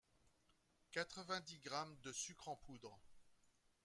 quatre-vingt dix grammes de sucre en poudre